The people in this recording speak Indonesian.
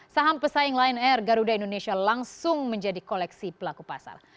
saham pesaing lion air garuda indonesia langsung menjadi koleksi pelaku pasar